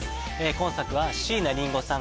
今作は椎名林檎さん